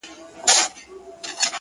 چي در رسېږم نه” نو څه وکړم ه ياره”